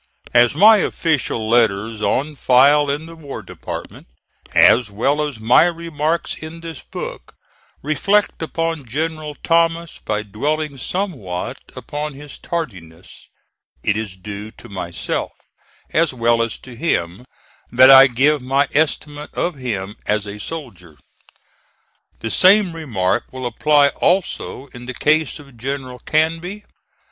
As my official letters on file in the War Department, as well as my remarks in this book, reflect upon General Thomas by dwelling somewhat upon his tardiness, it is due to myself, as well as to him, that I give my estimate of him as a soldier. The same remark will apply also in the case of General Canby.